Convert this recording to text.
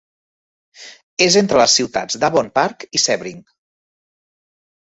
És entre les ciutats d'Avon Park i Sebring.